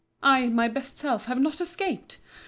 I, my best self, have not escaped!